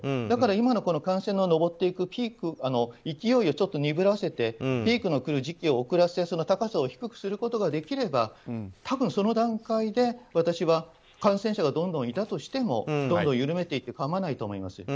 だから今の感染の上っていくピーク勢いを鈍らせてピークの来る時期を遅らせて、その高さを低くすることができれば多分、その段階で私は感染者がどんどんいたとしてもどんどん緩めていって構わないと思います。